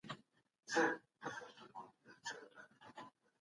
اخلاقي صفتونه د څېړونکي شخصیت جوړوي.